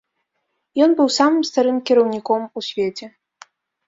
Ён быў самым старым кіраўніком у свеце.